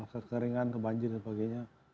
kekeringan kebanjir dan sebagainya